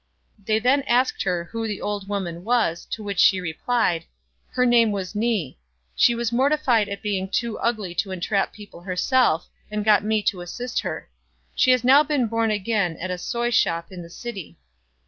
They then asked her who the old woman was ; to which she replied, " Her name was Ni. She was mortified at being too ugly to entrap people herself, and got me to assist her. She has now been born again at a soy shop in the city."